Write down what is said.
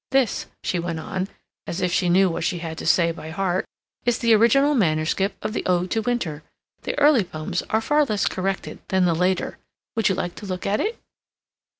This," she went on, as if she knew what she had to say by heart, "is the original manuscript of the 'Ode to Winter.' The early poems are far less corrected than the later. Would you like to look at it?"